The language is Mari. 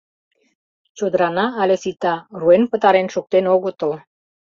Чодырана але сита, руэн пытарен шуктен огытыл.